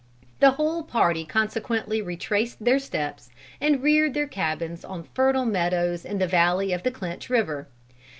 The whole party consequently retraced their steps, and reared their cabins on fertile meadows in the valley of the Clinch River.